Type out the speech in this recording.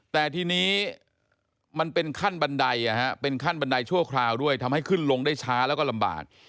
แต่ทีนี้มันเป็นขั้นบันไดเป็นขั้นบันไดชั่วคราวด้วยทำให้ขึ้นลงได้ช้าแล้วก็ลำบาก